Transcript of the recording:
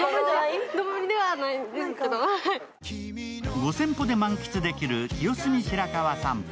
５０００歩で満喫できる清澄白河さんぽ。